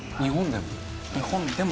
日本でも。